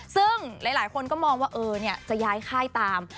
ซึ่งหลายคนก็มองว่าจะย้ายค่ายตาม